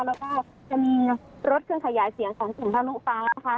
แล้วก็จะมีรถเครื่องขยายเสียงของกลุ่มทะลุฟ้านะคะ